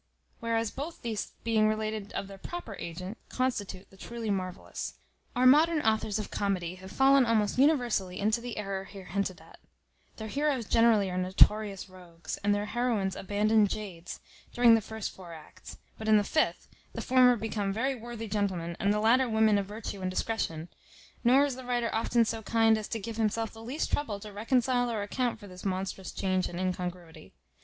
whereas both these being related of their proper agent, constitute the truly marvellous. Our modern authors of comedy have fallen almost universally into the error here hinted at; their heroes generally are notorious rogues, and their heroines abandoned jades, during the first four acts; but in the fifth, the former become very worthy gentlemen, and the latter women of virtue and discretion: nor is the writer often so kind as to give himself the least trouble to reconcile or account for this monstrous change and incongruity.